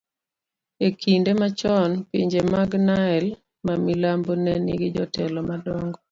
e kinde machon, pinje mag Nile mamilambo ne nigi jotelo madongo.